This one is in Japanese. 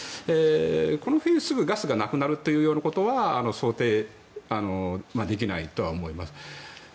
この冬すぐ、ガスがなくなるというようなことは想定できないとは思います。